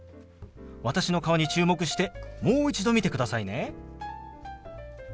私の顔に注目してもう一度見てくださいね。